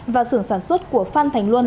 và sưởng sản xuất của phan thành luân